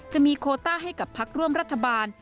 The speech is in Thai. โคต้าให้กับพักร่วมรัฐบาล